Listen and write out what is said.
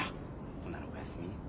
ほんならお休み。